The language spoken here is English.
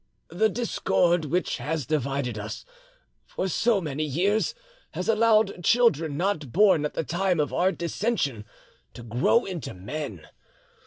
"The discord which has divided us for so many years has allowed children not born at the time of our dissension to grow into men.